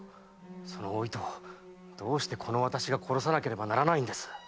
そのお糸をどうしてこの私が殺さなければならないんです？